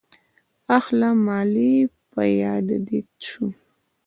اخله مالې په ياده دې شوم.